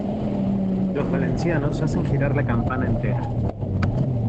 Los valencianos hacen girar la campana entera.